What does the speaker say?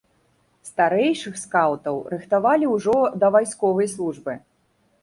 Старэйшых скаўтаў рыхтавалі ўжо да вайсковай службы.